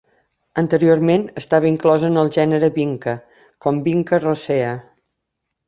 Anteriorment estava inclosa en el gènere "Vinca" com "Vinca rosea".